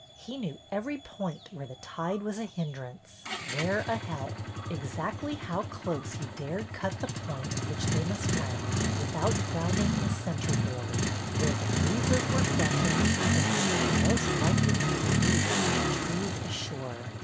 He knew every point where the tide was a hindrance, where a help ; exactly how close he dared cut the point, which they must round, without ground ing his centreboard; where the breezes were freshest, and where they were most likely to be reduced by the trees ashore.